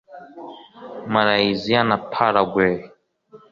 Malaysia na Paraguay